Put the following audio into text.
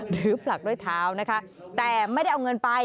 หรือผลักด้วยเท้านะคะแต่ไม่ได้เอาเงินไป